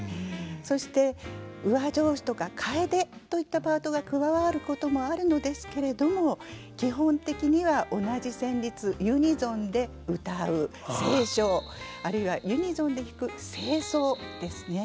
そして上調子とか替手といったパートが加わることもあるのですけれども基本的には同じ旋律ユニゾンでうたう斉唱あるいはユニゾンで弾く斉奏ですね。